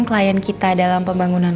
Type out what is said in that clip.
klien kita dalam pembangunan